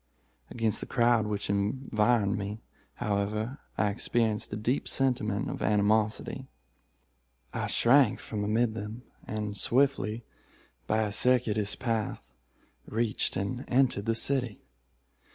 Against the crowd which environed me, however, I experienced a deep sentiment of animosity. I shrank from amid them, and, swiftly, by a circuitous path, reached and entered the city.